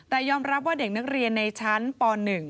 แต่ยอมรับว่าเด็กนักเรียนในชั้นป๑